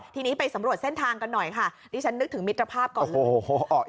ทีนี้ไปสำรวจเส้นทางกันหน่อยค่ะดิฉันนึกถึงมิตรภาพก่อน